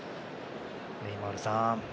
ネイマールさん。